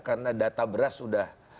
karena data beras sudah